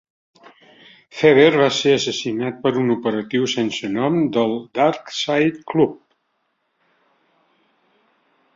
Fever va ser assassinat per un operatiu sense nom del Dark Side Club.